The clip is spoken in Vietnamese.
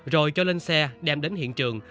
rồi cho lên xe đem đến hiện trường